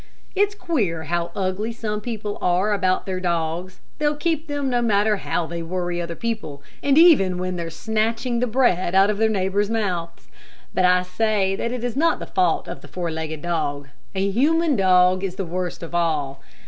It's queer how ugly some people are about their dogs. They'll keep them no matter how they worry other people, and even when they're snatching the bread out of their neighbors' mouths. But I say that is not the fault of the four legged dog. A human dog is the worst of all.